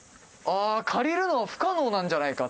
ああー借りるのは不可能なんじゃないか。